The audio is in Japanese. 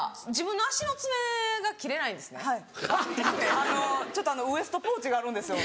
あのちょっとあのウエストポーチがあるんですよ。